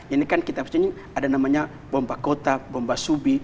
ini kan kita disini ada namanya bomba kota bomba subi